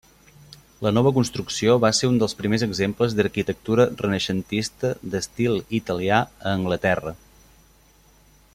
La nova construcció va ser un dels primers exemples d'arquitectura renaixentista d'estil italià a Anglaterra.